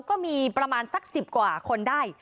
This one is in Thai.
ก็มีประมาณสัก๑๐กว่าคนได้